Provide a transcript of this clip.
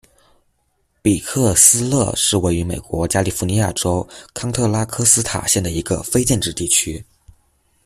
比克斯勒是位于美国加利福尼亚州康特拉科斯塔县的一个非建制地区。